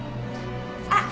あっ！